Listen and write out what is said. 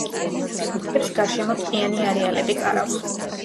მთებს გარშემო ტყიანი არეალები კარავს.